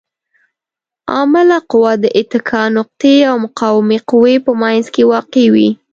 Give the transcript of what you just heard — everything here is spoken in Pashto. عامله قوه د اتکا نقطې او مقاومې قوې په منځ کې واقع وي.